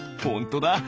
ほんとだ。